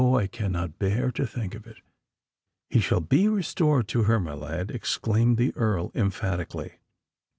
I cannot bear to think of it!" "He shall be restored to her, my lad!" exclaimed the Earl emphatically.